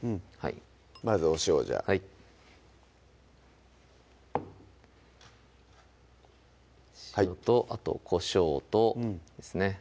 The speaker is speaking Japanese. まずお塩じゃあ塩とあとこしょうとですね